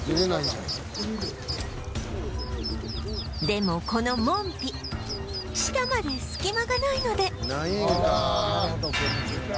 でもこの門扉下まで隙間がないのでないんか。